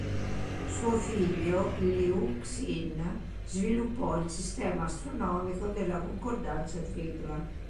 Suo figlio, Liu Xin, sviluppò il sistema astronomico della "concordanza tripla".